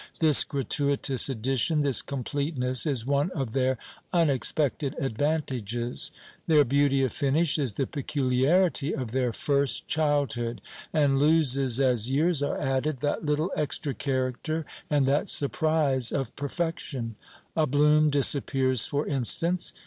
This gratuitous addition, this completeness, is one of their unexpected advantages. Their beauty of finish is the peculiarity of their first childhood, and loses, as years are added, that little extra character and that surprise of perfection. A bloom disappears, for instance.